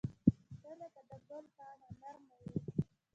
• ته لکه د ګل پاڼه نرمه یې.